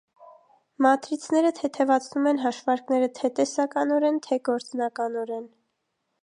Մատրիցները թեթևացնում են հաշվարկները թե՛ տեսականորեն, թե՛ գործնականորեն։